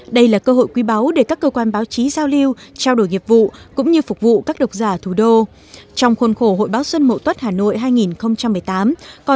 đây là cơ hội quý báo để các cơ quan báo chí giao lưu trao đổi nghiệp vụ cũng như phục vụ các độc giả thủ đô